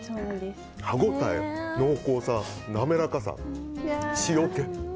歯応え、濃厚さ、滑らかさ、塩気。